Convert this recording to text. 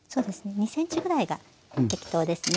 ２ｃｍぐらいが適当ですね。